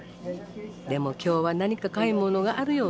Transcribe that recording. でも今日は何か買い物があるようです。